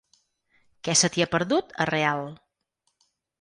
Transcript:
Què se t'hi ha perdut, a Real?